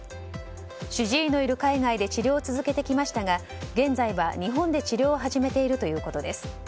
主治医のいる海外で治療を続けてきましたが現在は日本で治療を始めているということです。